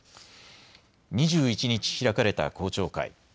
２１日、開かれた公聴会。